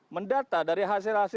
mendata dari hsbc